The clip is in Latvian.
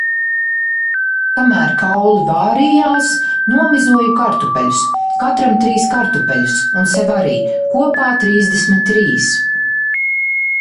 Kamēr kauli vārījās, nomizoju kartupeļus, katram trīs kartupeļus un sev arī, kopā trīsdesmit trīs.